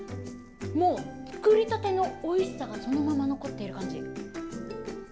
もう作りたてのおいしさがそのまま残っている感じ。